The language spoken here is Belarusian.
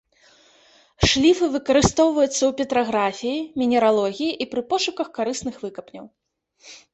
Шліфы выкарыстоўваюцца ў петраграфіі, мінералогіі і пры пошуках карысных выкапняў.